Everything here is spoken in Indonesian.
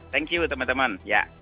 thank you teman teman